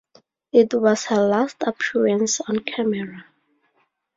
It was her last appearance on camera.